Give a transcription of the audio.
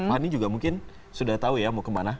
ani juga mungkin sudah tahu ya mau kemana